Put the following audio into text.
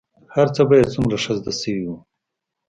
هرڅه به يې څومره ښه زده سوي وو.